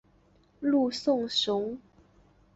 陆颂雄。